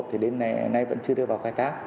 thì đến nay vẫn chưa đưa vào khai thác